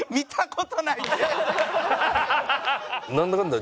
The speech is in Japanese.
なんだかんだ。